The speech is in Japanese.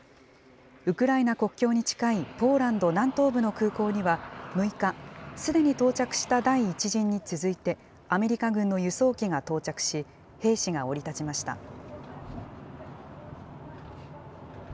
ウクライナ国境に近いポーランド南東部の空港には６日、すでに到着した第１陣に続いて、アメリカ軍の輸送機が到着し、兵士が降り立ちました。